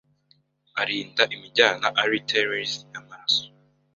Arinda imijyana arteries y’amaraso